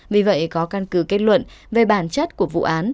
vì vậy có căn cứ kết luận về bản chất của vụ án